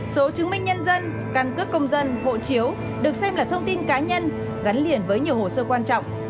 số chứng minh nhân dân căn cước công dân hộ chiếu được xem là thông tin cá nhân gắn liền với nhiều hồ sơ quan trọng